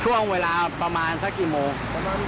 เห็นพานานมานานหรือยัง